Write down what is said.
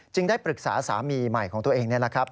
ได้ปรึกษาสามีใหม่ของตัวเองนี่แหละครับ